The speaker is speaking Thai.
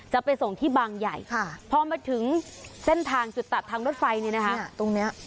จะไปส่งที่บางใหญ่พอมาถึงเส้นทางจุดตัดทางรถไฟเนี่ยนะคะตรงนี้